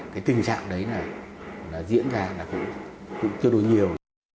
cái tình trạng đấy diễn ra cũng chưa đủ nhiều